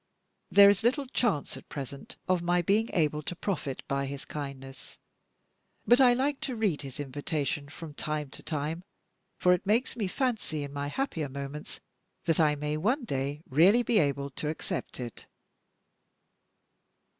There is little chance at present of my being able to profit by his kindness; but I like to read his invitation from time to time, for it makes me fancy, in my happier moments, that I may one day really be able to accept it.